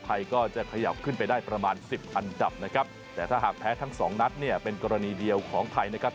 ไทยก็จะขยับขึ้นไปได้ประมาณสิบอันดับนะครับแต่ถ้าหากแพ้ทั้งสองนัดเนี่ยเป็นกรณีเดียวของไทยนะครับ